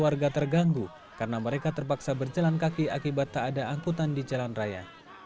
warga terganggu karena mereka terpaksa berjalan kaki akibat tak ada angkutan di jalan raya